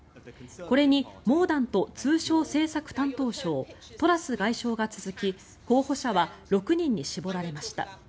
これにモーダント通商政策担当相トラス外相が続き候補者は６人に絞られました。